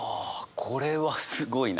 これはすごいな。